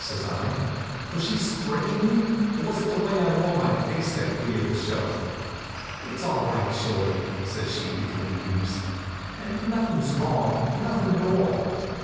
says I. "Was she stringin' you, or was it the way I wore my face that queered the show?" "It's all right, Shorty," says she between weeps. "And nothing's wrong, nothing at all. Mrs.